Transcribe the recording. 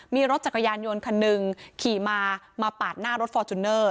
มีรถจักรยานยนต์คันหนึ่งขี่มามาปาดหน้ารถฟอร์จูเนอร์